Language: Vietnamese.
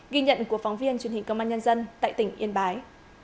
ghi nhận của phóng viên truyền hình công an nhân dân tại tỉnh yên bái